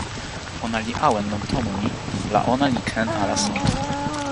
ona li awen lon tomo ni la ona li ken ala sona.